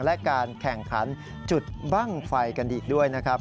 และการแข่งขันจุดบ้างไฟกันอีกด้วยนะครับ